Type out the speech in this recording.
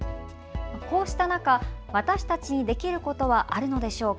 こうした中、私たちにできることはあるのでしょうか。